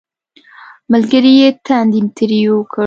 ملګري یې تندی ترېو کړ